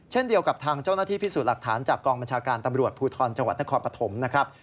เช่นเดียวกับทางเจ้าหน้าที่พิสูจน์หลักฐานจากกองบัญชาการตำรวจภูทรจังหวัดนครปฐมนะครับ